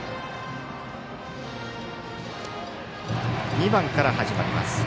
２番から始まります。